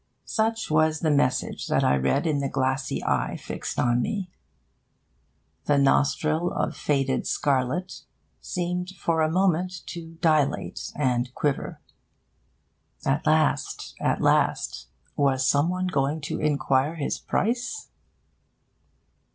Such was the message that I read in the glassy eye fixed on me. The nostril of faded scarlet seemed for a moment to dilate and quiver. At last, at last, was some one going to inquire his price?